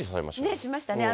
ねえ、しましたね。